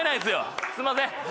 すみません。